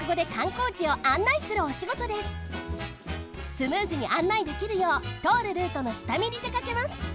スムーズに案内できるようとおるルートのしたみにでかけます。